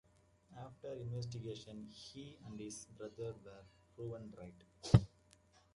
After investigation he and his brother were proven right.